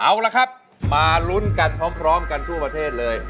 เอาละครับมาลุ้นกันพร้อมกันทั่วประเทศเลย